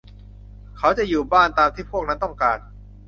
เขาจะอยู่บ้าน ตามที่พวกนั้นต้องการ